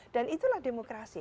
dan itulah demokrasi